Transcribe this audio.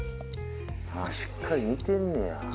しっかり見てんねや。